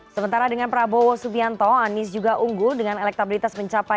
sementara dengan prabowo subianto anies juga unggul dengan elektabilitas mencapai